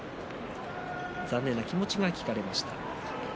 残念な気持ちが聞かれました。